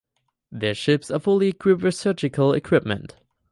The ships are fully equipped with surgical equipment.